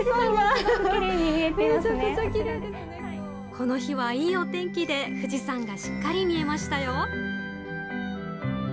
この日は、いいお天気で富士山がしっかり見えましたよ。